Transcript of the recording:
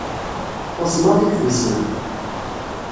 Txuṣṣ maḍi deg Tussna.